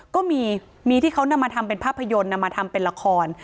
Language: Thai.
ก็มีที่เขานำมาทำเป็นภาพยนตร์นำมาทำเป็นละคร